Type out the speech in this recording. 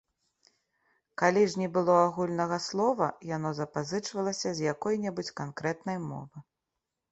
Калі ж не было агульнага слова, яно запазычвалася з якой-небудзь канкрэтнай мовы.